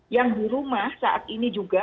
yang di rumah saat ini juga